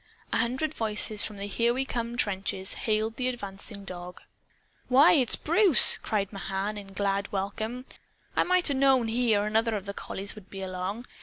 A hundred voices from the Here We Come trenches hailed the advancing dog. "Why, it's Bruce!" cried Mahan in glad welcome. "I might 'a' known he or another of the collies would be along.